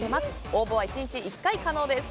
応募は１日１回可能です。